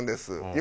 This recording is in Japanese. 今？